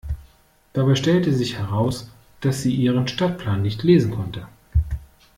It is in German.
Dabei stellte sich heraus, dass sie ihren Stadtplan nicht lesen konnte.